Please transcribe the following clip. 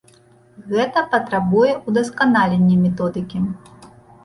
Гэта патрабуе ўдасканалення методыкі.